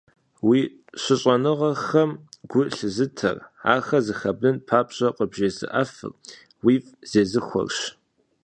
Уи щыщӀэныгъэхэм гу лъызытэр, ахэр зэхэбнын папщӀэ къыбжезыӀэфыр, уифӀ зезыхуэрщ.